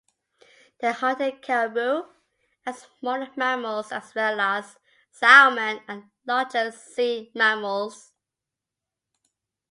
They hunted caribou and smaller mammals as well as salmon and larger sea mammals.